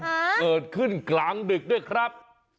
เกิดขึ้นกลางดึกด้วยครับ